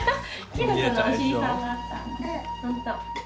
きのこのお尻さんがあったんだほんと。